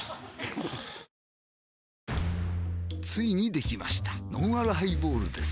ついにできましたのんあるハイボールです